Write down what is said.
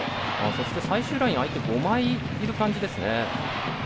そして、最終ライン相手５枚いる感じですね。